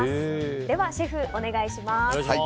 ではシェフ、お願いします。